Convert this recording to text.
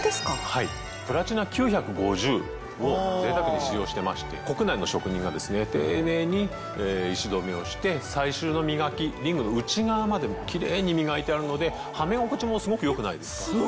はい。を贅沢に使用してまして国内の職人が丁寧に石留めをして最終の磨きリングの内側までキレイに磨いてあるのではめ心地もすごく良くないですか？